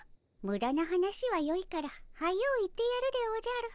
むだな話はよいから早う行ってやるでおじゃる。